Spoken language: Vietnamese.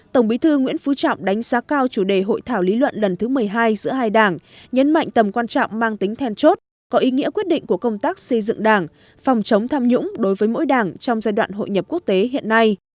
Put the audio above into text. tổng bí thư nguyễn phú trọng đánh giá cao chủ đề hội thảo lý luận lần thứ một mươi hai giữa hai đảng nhấn mạnh tầm quan trọng mang tính then chốt có ý nghĩa quyết định của công tác xây dựng đảng phòng chống tham nhũng đối với mỗi đảng trong giai đoạn hội nhập quốc tế hiện nay